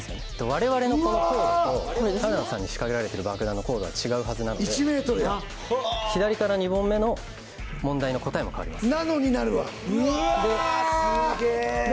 我々の、このコードと春菜さんに仕掛けられてる爆弾のコードは違うはずなので左から２問目の問題の答えも変わります。